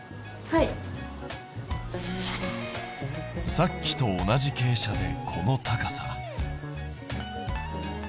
さっきと同じ傾斜でこの高さだ。